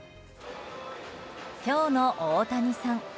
今日の大谷さん。